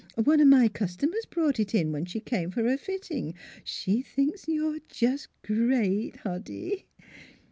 One of my customers brought it in when she came for her fitting. She thinks you're just great, Hoddy